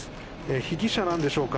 被疑者なんでしょうか。